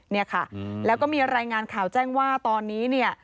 เนี่ยค่ะแล้วก็มีรายงานข่าวแจ้งว่าตอนนี้เนี่ย